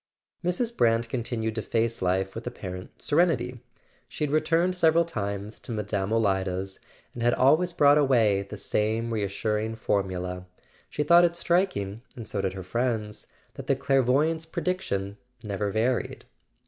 Mrs. Brant continued to face life with apparent serenity. She had returned several times to Mme. [ 391 ] A SON AT THE FRONT Olida's, and had always brought away the same re¬ assuring formula: she thought it striking, and so did her friends, that the clairvoyant*?s prediction never varied.